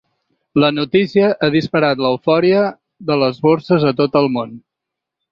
La notícia ha disparat l’eufòria de les borses a tot el món.